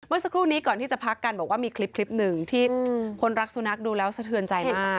สักครู่นี้ก่อนที่จะพักกันบอกว่ามีคลิปหนึ่งที่คนรักสุนัขดูแล้วสะเทือนใจมาก